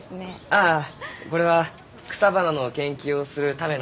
ああこれは草花の研究をするための大事な標本ですき。